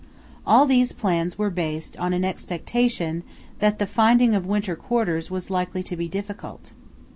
All these plans were based on an expectation that the finding of winter quarters was likely to be difficult.